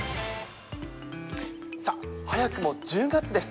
早くも１０月です。